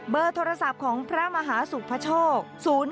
เบอร์โทรศัพท์ของพระมหาศุกร์พระโชค